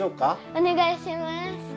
おねがいします！